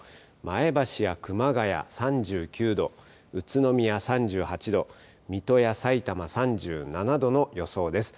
前橋や熊谷３９度、宇都宮３８度、水戸や埼玉３７度の予想です。